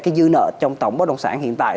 cái dư nợ trong tổng bất động sản hiện tại